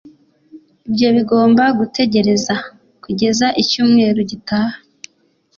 Ibyo bigomba gutegereza kugeza icyumweru gitaha